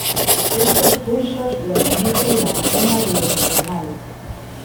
Estos pulsos los emite la antena direccional.